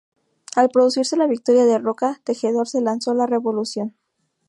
Al producirse la victoria de Roca, Tejedor se lanzó a la revolución.